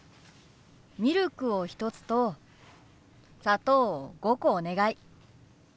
ミルクを１つと砂糖を５個お願い。